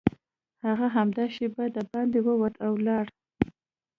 هغه همدا شېبه دباندې ووت او لاړ